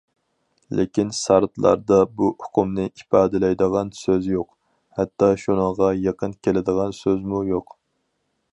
لېكىن سارتلاردا بۇ ئۇقۇمنى ئىپادىلەيدىغان سۆز يوق، ھەتتا شۇنىڭغا يېقىن كېلىدىغان سۆزمۇ يوق.